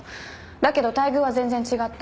だけど待遇は全然違った。